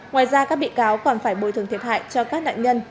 ngoài ra các bị cáo còn phải bồi thường thiệt hại cho các nạn nhân